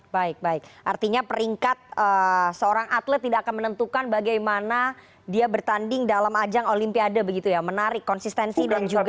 baik baik artinya peringkat seorang atlet tidak akan menentukan bagaimana dia bertanding dalam ajang olimpiade begitu ya menarik konsistensi dan juga